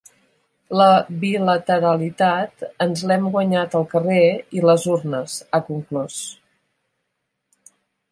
La bilateralitat ens l’hem guanyat al carrer i les urnes, ha conclòs.